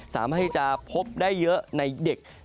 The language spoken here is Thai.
สามารถที่จะพบได้เยอะในเด็ก